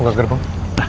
mau ke gerbang